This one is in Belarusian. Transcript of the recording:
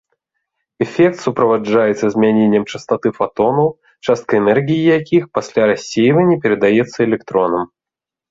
Эфект суправаджаецца змяненнем частаты фатонаў, частка энергіі якіх пасля рассейвання перадаецца электронам.